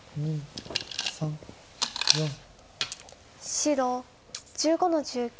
白１５の十九。